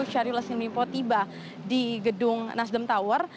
syahrul yassin limpo tiba di gedung nasdem tower